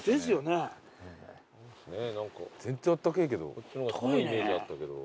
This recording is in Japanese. こっちの方が寒いイメージあったけど。